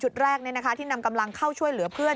แรกที่นำกำลังเข้าช่วยเหลือเพื่อน